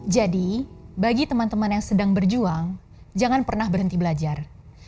jadi bagi teman teman yang sedang berjuang jangan pernah berhenti belajar